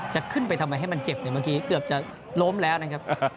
จะขึ้นไปทำไมให้มันเจ็บเนี่ยเมื่อกี้เกือบจะล้มแล้วนะครับ